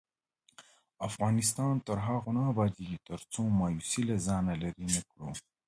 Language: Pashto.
افغانستان تر هغو نه ابادیږي، ترڅو مایوسي له ځانه لیرې نکړو.